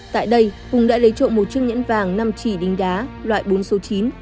tại đây hùng đã lấy trộm một chiếc nhẫn vàng năm chỉ đính đá loại bốn số chín